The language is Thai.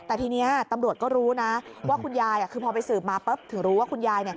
แต่ทีนี้ตำรวจก็รู้นะคือพอไปสืบมาพตึงรู้ว่าคุณญาย